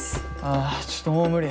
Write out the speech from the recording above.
あちょっともう無理。